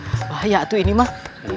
aduh bahaya atuh ini mah